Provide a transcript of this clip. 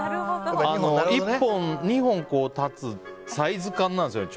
２本立つサイズ感なんですよね